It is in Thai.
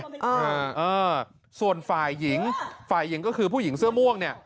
อ่าเออส่วนฝ่ายหญิงฝ่ายหญิงก็คือผู้หญิงเสื้อม่วงเนี่ย